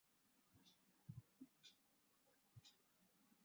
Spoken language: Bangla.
আগমনী-বিজয়া গানের মধ্য দিয়ে শাক্তপদাবলির সংসারমুখী প্রবণতা লক্ষ্য করা যায়।